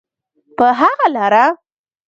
په هغه لاره.